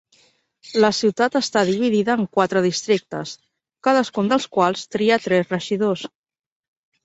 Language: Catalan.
La ciutat està dividida en quatre districtes, cadascun dels quals tria tres regidors.